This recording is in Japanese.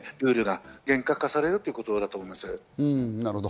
ルールが厳しくなるということだと思います。